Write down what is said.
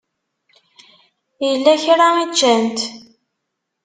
Yella kra i ččant?